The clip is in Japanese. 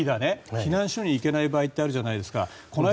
避難所に行けない場合ってあるじゃないですか。